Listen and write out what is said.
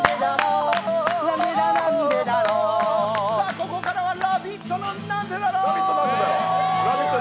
ここからは「ラヴィット！」のなんでだろう。